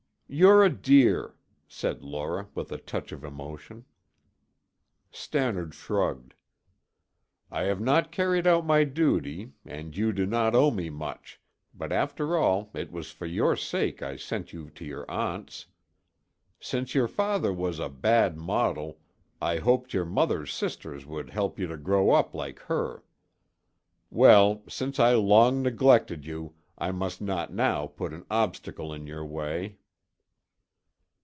"You're a dear!" said Laura with a touch of emotion. Stannard shrugged. "I have not carried out my duty and you do not owe me much, but after all it was for your sake I sent you to your aunts. Since your father was a bad model, I hoped your mother's sisters would help you to grow up like her. Well, since I long neglected you, I must not now put an obstacle in your way."